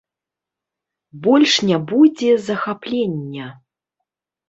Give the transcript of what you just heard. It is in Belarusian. Больш не будзе захаплення.